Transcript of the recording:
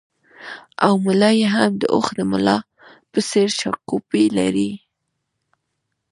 او ملا یې هم د اوښ د ملا په څېر شاکوپي لري